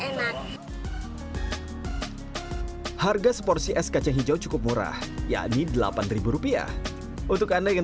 setelah tahu rasanya enak harga seporsi es kacang hijau cukup murah yakni delapan ribu rupiah untuk anda yang